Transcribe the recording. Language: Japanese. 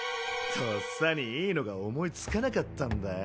とっさにいいのが思いつかなかったんだよぉ。